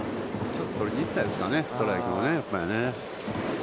ちょっと取りに行ったんですかね、ストライクをね。